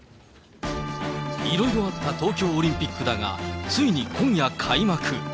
いろいろあった東京オリンピックだが、ついに今夜開幕。